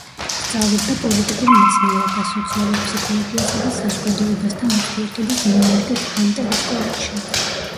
სწავლობდა პოლიტიკურ მეცნიერებას, სოციალურ ფსიქოლოგიასა და საზოგადოებასთან ურთიერთობას ნიუ-იორკის ჰანტერის კოლეჯში.